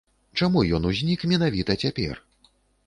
Чаму ён узнік менавіта цяпер?